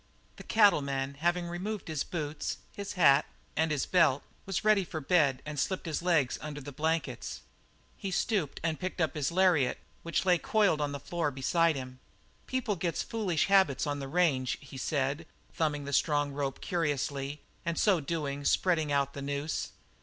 The cattleman, having removed his boots, his hat, and his belt, was ready for bed, and slipped his legs under the blankets. He stooped and picked up his lariat, which lay coiled on the floor beside him. "People gets into foolish habits on the range," he said, thumbing the strong rope curiously, and so doing, spreading out the noose.